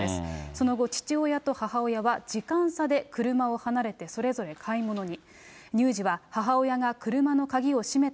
その後、父親と母親は時間差で車を離れて、それぞれ買い物に。